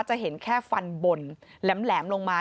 จะเห็นแค่ฟันบนแหลมลงมา